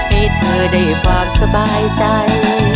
ให้เธอได้ความสบายใจ